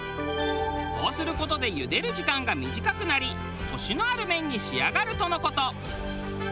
こうする事で茹でる時間が短くなりコシのある麺に仕上がるとの事。